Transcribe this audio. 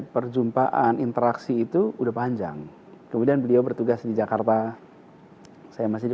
perjumpaan interaksi itu udah panjang kemudian beliau bertugas di jakarta saya masih di